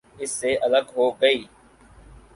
اس سے الگ ہو گئی۔